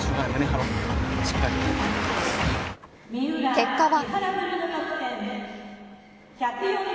結果は。